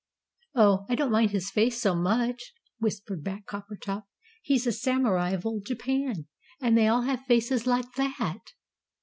"Oh, I don't mind his face so much," whispered back Coppertop; "he's a Samurai of Old Japan, and they all have faces like that!"